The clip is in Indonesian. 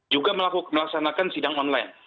juga melaksanakan sidang online